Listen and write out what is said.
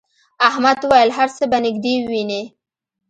احمد وویل هر څه به نږدې ووینې.